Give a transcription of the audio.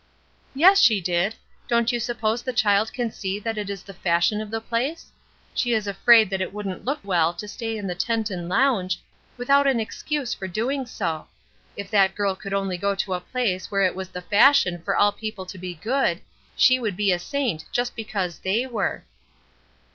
"Yes she need. Don't you suppose the child can see that it is the fashion of the place? She is afraid that it wouldn't look well to stay in the tent and lounge, without an excuse for doing so. If that girl could only go to a place where it was the fashion for all the people to be good, she would be a saint, just because 'they' were."